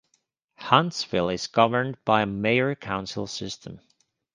Huntsville is governed by a mayor-council system.